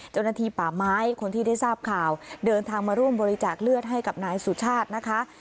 เจ้าหน้าที่ป่าไม้คนที่ได้ทราบข่าวเดินทางมาร่วมบริจาคเลือดให้กับนายสุชาตินะคะ